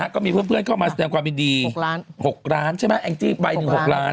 ก็มีเพื่อนเข้ามาแสดงความยินดี๖ล้านใช่ไหมแองจี้ใบหนึ่ง๖ล้าน